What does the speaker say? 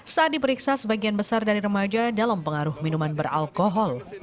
saat diperiksa sebagian besar dari remaja dalam pengaruh minuman beralkohol